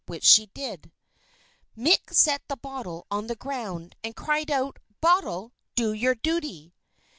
Which she did. Mick set the bottle on the ground, and cried out: "Bottle, do your duty!"